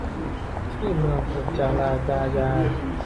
ที่เมืองปุจราจายา